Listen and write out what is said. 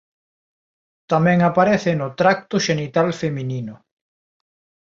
Tamén aparece no tracto xenital feminino.